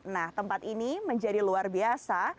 nah tempat ini menjadi luar biasa